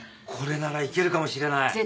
これならいけるかもしれない。